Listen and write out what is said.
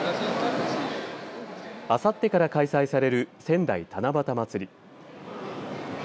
あさってから開催される仙台七夕まつり。